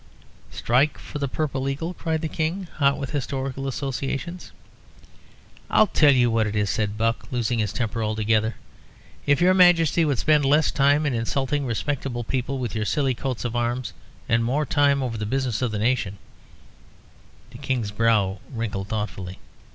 "Strike for the purple Eagle!" cried the King, hot with historical associations. "I'll tell you what it is," said Buck, losing his temper altogether. "If your Majesty would spend less time in insulting respectable people with your silly coats of arms, and more time over the business of the nation " The King's brow wrinkled thoughtfully.